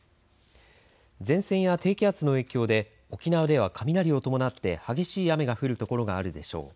前線や低気圧の影響で沖縄では雷を伴って激しい雨が降る所があるでしょう。